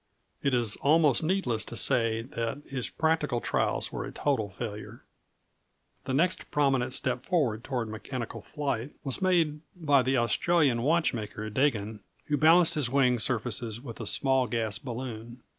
It is almost needless to say that his practical trials were a total failure. [Illustration: Plan of Degen's apparatus.] The next prominent step forward toward mechanical flight was made by the Australian watchmaker Degen, who balanced his wing surfaces with a small gas balloon.